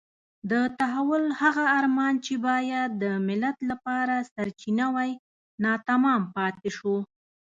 د تحول هغه ارمان چې باید د ملت لپاره سرچینه وای ناتمام پاتې شو.